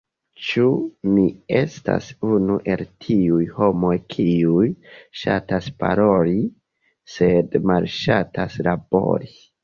Ĉu mi estas unu el tiuj homoj kiuj ŝatas paroli sed malŝatas labori?